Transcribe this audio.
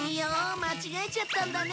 間違えちゃったんだね。